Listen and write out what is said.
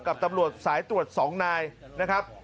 กับตำรวจสายตรวจ๒นายนะครับ